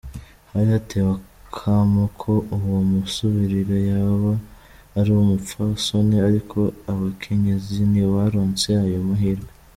Hari hatewe akamo ko uwomusubirira yoba ari umupfasoni, ariko abakenyezi ntibaronse ayo mahirwe.